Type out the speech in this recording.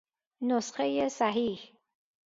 نسخهُ صحیح